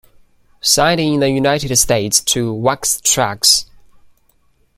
Signed in the United States to Wax Trax!